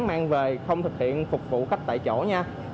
mang về không thực hiện phục vụ khách tại chỗ nha